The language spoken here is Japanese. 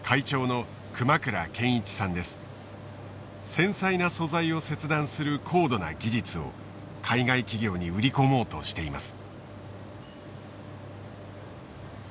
繊細な素材を切断する高度な技術を海外企業に売り込もうとしています。